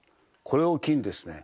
これを機にですね